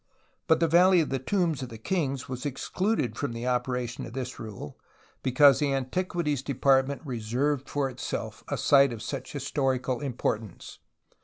But the Valley of the Tombs of the Kings was excluded from the operation of this rule, because the Antiquities Depart ment reserved for itself a site of such historical importance.